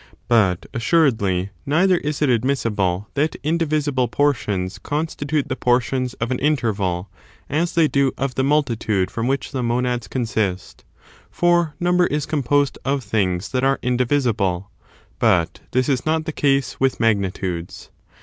But, assuredly, neither is it admissible that indivisible portions constitute the portions of an interval, as they do of the multitude from which the monads consist, for number is composed of things that are indivisible ; but this is not the case with magnitudes.